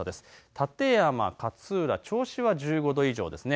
館山、勝浦、銚子は１５度以上ですね。